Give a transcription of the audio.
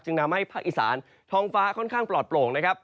ทำให้ภาคอีสานท้องฟ้าค่อนข้างปลอดโปร่งนะครับ